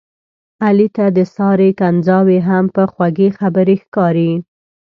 علي ته د سارې کنځاوې هم په خوږې خبرې ښکاري.